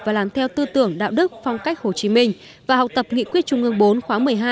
và làm theo tư tưởng đạo đức phong cách hồ chí minh và học tập nghị quyết trung ương bốn khóa một mươi hai